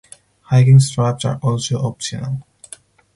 Hiking straps are also optional.